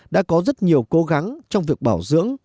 đã có rất nhiều cố gắng trong việc bảo dưỡng